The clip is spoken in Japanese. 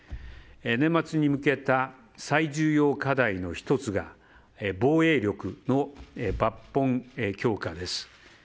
年末に向けた最重要課題の１つが防衛力の抜本強化です。